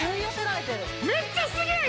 めっちゃすげえ！